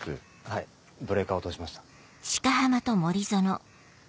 はいブレーカー落としました。